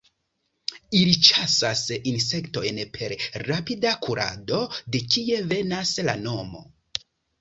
Ili ĉasas insektojn per rapida kurado de kie venas la nomo.